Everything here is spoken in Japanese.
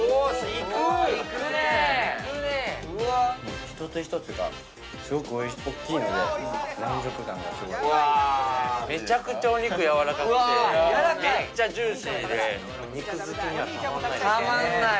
・いくね・いくね一つ一つがすごく大きいので満足感がすごいめちゃくちゃお肉やわらかくてめっちゃジューシーで肉好きにはたまんないたまんない